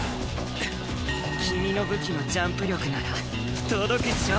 君の武器のジャンプ力なら届くっしょ？